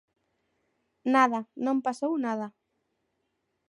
Nada, non pasou nada.